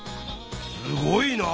すごいなあ。